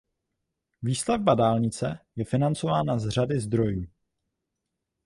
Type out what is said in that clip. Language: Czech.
Výstavba dálnice je financována z řady zdrojů.